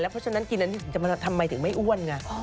เพราะฉะนั้นกินทำไมถึงไม่อ้วนไง